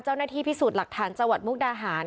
เจ้าหน้าที่พิสูจน์หลักฐานจังหวัดมุกดาหาร